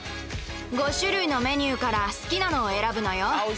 ５種類のメニューから好きなのを選ぶのよ